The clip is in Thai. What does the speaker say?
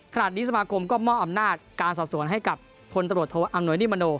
สมาคมก็มอบอำนาจการสอบสวนให้กับพลตรวจโทอำนวยนิมโน